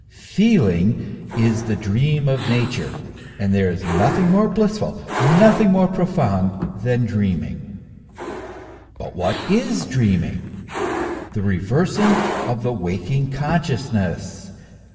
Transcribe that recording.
Feeling is the dream of Nature ; and there is nothing more blissful, nothing more profound than dreaming. But what is dreaming ? The reversing of the waking consciousness.